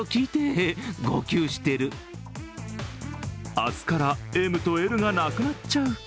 明日からＭとＬがなくなっちゃう。